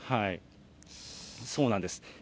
そうなんです。